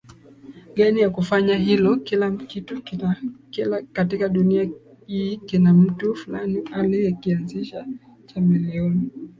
gani ya kufanya hilo Kila kitu katika dunia hii kina mtu Fulani aliyekianzisha Chameleone